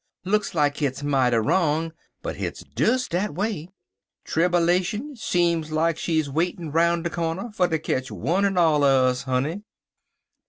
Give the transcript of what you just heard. Look like hit's mighty wrong; but hit's des dat away. Tribbalashun seem like she's a waitin' roun' de cornder fer ter ketch one en all un us, honey."